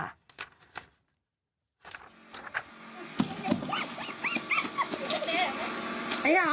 ไอ้หนัง